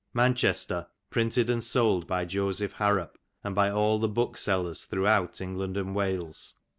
'' Manchester : printed and sold by Joseph Harrop ; and by all the "Booksellers throughout England and Wales.